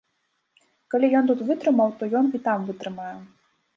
Калі ён тут вытрымаў, то ён і там вытрымае.